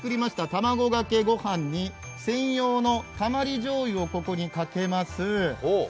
卵かけご飯に専用のたまりじょうゆをここにかけます。